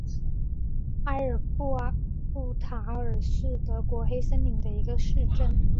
埃尔布塔尔是德国黑森州的一个市镇。